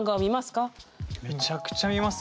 めちゃくちゃ見ますよ！